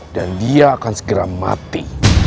dan dia akan segera mati